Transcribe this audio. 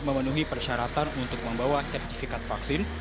memenuhi persyaratan untuk membawa sertifikat vaksin